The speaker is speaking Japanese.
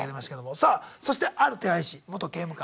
さあそして「ある手配師」「元刑務官」